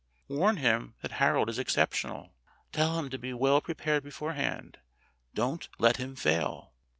Warn him that Harold is exceptional. Tell him to be well prepared beforehand. Don't let him fail."